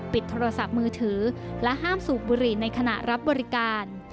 โทรศัพท์มือถือและห้ามสูบบุหรี่ในขณะรับบริการ